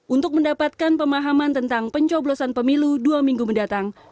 untuk mendapatkan pemahaman tentang pencoblosan pemilu dua minggu mendatang